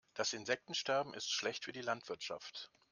Das Insektensterben ist schlecht für die Landwirtschaft.